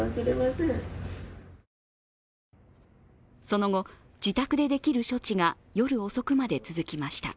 その後、自宅でできる処置が夜遅くまで続きました。